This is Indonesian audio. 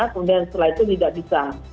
kemudian setelah itu tidak bisa